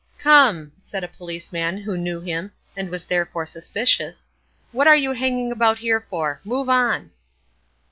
"Come!" said a policeman who knew him, and was therefore suspicious, "What are you hanging about here for? Move on!"